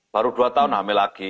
baru dua tahun hamil lagi